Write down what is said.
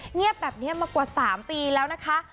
เงียบแบบนี้มากว่า๓ปีแล้วนะคะ